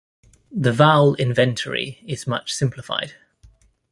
The vowel inventory is much simplified.